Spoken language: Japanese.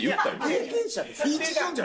経験者ですか？